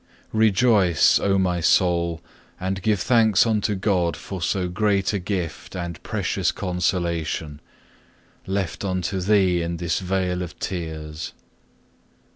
6. Rejoice, O my soul, and give thanks unto God for so great a gift and precious consolation, left unto thee in this vale of tears.